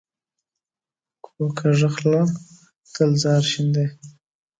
کوږه خوله تل زهر شیندي